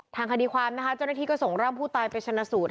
ทางคดีความนะคะเจ้าหน้าที่ก็ส่งร่างผู้ตายไปชนะสูตร